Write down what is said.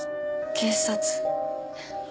警察。